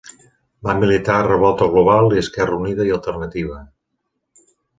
Va militar a Revolta Global i Esquerra Unida i Alternativa.